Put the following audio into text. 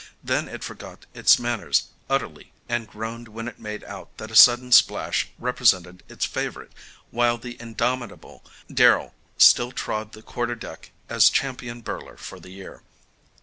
Then it forgot its manners utterly and groaned when it made out that a sudden splash represented its favourite, while the indomitable Darrell still trod the quarter deck as champion birler for the year.